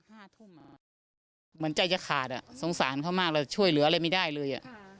เหมือนใจจะขาดสงสารเขามากช่วยเหลืออะไรไม่ได้เลย